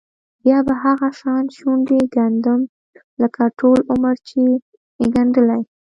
بیا به هغه شان شونډې ګنډم لکه ټول عمر چې مې ګنډلې.